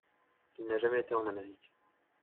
Il n'a jamais été en Amérique.